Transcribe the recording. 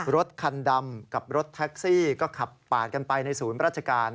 รถคันดำกับรถแท็กซี่ก็ขับปาดกันไปในศูนย์ราชการ